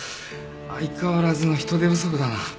相変わらずの人手不足だな。